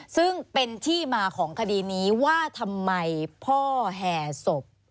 ซึ่งเป็นที่มาของคดีนี้ว่าทำไมพ่อแห่ศพ